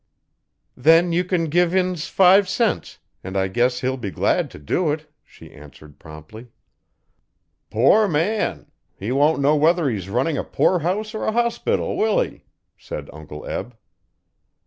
'Then you can give 'ins five cents, an' I guess he'll be glad t' do it,' she answered promptly. 'Poor man! He won't know whether he's runnin' a poorhouse er a hospital, will he?' said Uncle Eb.